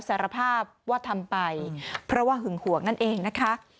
สารภาพว่าทำไปเพราะว่าหึงหวงนั่นเองนะคะ